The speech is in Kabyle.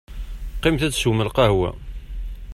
Qqimet ad teswem lqahwa.